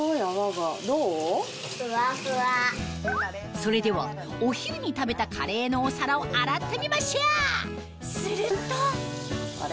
それではお昼に食べたカレーのお皿を洗ってみましょうするとあれ？